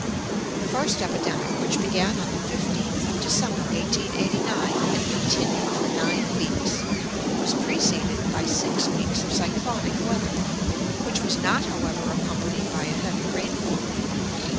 The first epidemic, which began on the 15th of December 1889 and continued for nine weeks, was preceded by six weeks of cyclonic weather, which was not, however, accompanied by a heavy rainfall.